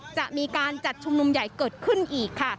จะมีการจัดชุมนุมใหญ่เกิดขึ้นอีกค่ะ